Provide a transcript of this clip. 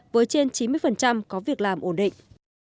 với trên chín mươi có việc làm ổn định